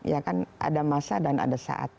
ya kan ada masa dan ada saat